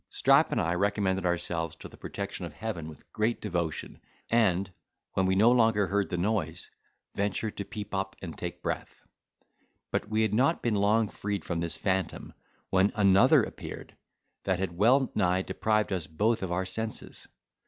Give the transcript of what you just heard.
Strap and I recommended ourselves to the protection of heaven with great devotion, and, when we no longer heard the noise, ventured to peep up and take breath. But we had not been long freed from this phantom, when another appeared, that had well nigh deprived us both of our senses.